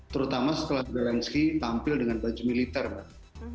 terutama setelah zelensky tampil dengan baju militer mbak